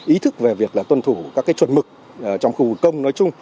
ý thức về việc là tuân thủ các cái chuẩn mực trong khu công nói chung